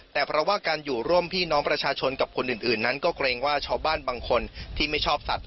แต่เพราะว่าการอยู่ร่วมพี่น้องประชาชนกับคนอื่นนั้นก็เกรงว่าชาวบ้านบางคนที่ไม่ชอบสัตว์